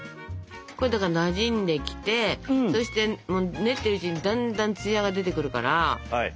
なじんできてそして練っているうちにだんだんツヤが出てくるから。